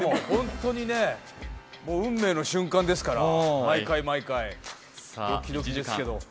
本当に運命の瞬間ですから、毎回毎回ドキドキですけど。